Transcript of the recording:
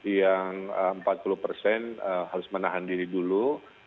yang empat puluh persen harus menahan diri dulu